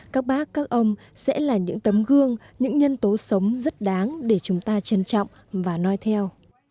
các bác các ông sẽ là những tấm gương những nhân tố sống rất đáng để chúng ta trân trọng và nói theo